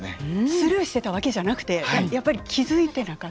スルーしてたわけじゃなくてやっぱり気づいてなかった。